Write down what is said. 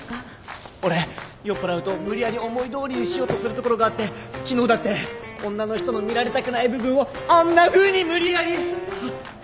俺酔っぱらうと無理やり思いどおりにしようとするところがあって昨日だって女の人の見られたくない部分をあんなふうに無理やり！